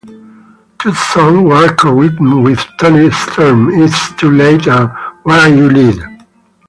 Two songs were co-written with Toni Stern: "It's Too Late" and "Where You Lead".